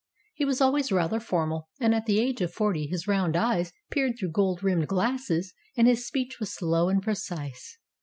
He was always rather formal, and at the age of forty his round eyes peered through gold rimmed glasses and his speech was slow and precise.